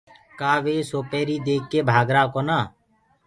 ڪآ وي سوپيري ديک ڪي ڀآگرآ ڪونآ۔